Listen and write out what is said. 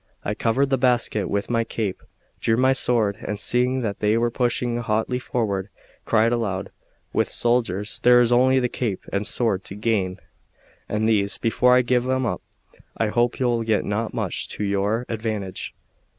I covered the basket with my cape, drew my sword, and seeing that they were pushing hotly forward, cried aloud: "With soldiers there is only the cape and sword to gain; and these, before I give them up, I hope you'll get not much to your advantage."